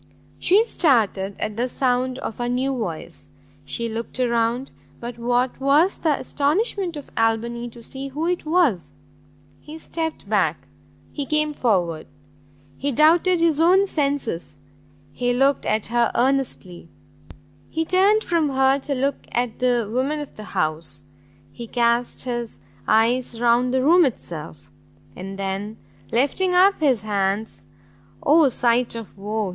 She started at the sound of a new voice, she looked round, but what was the astonishment of Albany to see who it was! He stept back, he came forward, he doubted his own senses, he looked at her earnestly, he turned from her to look at the woman of the house, he cast his eyes round the room itself, and then, lifting up his hands, "O sight of woe!"